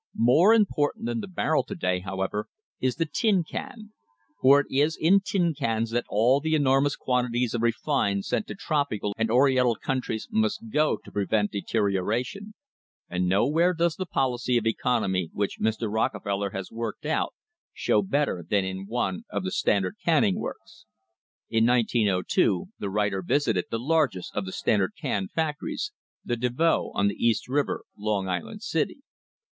More important than the barrel to day, however, is the tin can for it is in tin cans that all the enormous quantities of refined sent to tropical and Oriental countries must go to THE LEGITIMATE GREATNESS OF THE COMPANY prevent deterioration and nowhere does the policy of econ omy which Mr. Rockefeller has worked out show better than in one of the Standard canning works. In 1902 the writer vis ited the largest of the Standard can factories, the Devoe, on the East River, Long Island City.